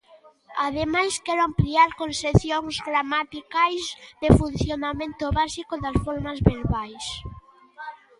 Ademais, quero ampliar con seccións gramaticais, de funcionamento básico das formas verbais.